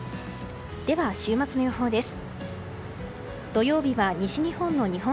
では週末の予報です。